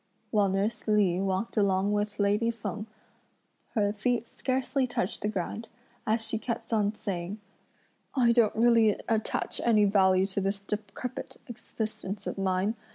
While nurse Li walked along with lady Feng, her feet scarcely touched the ground, as she kept on saying: "I don't really attach any value to this decrepid existence of mine!